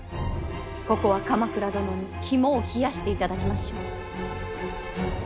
ここは鎌倉殿に肝を冷やしていただきましょう。